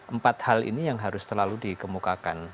empat hal ini yang harus selalu dikemukakan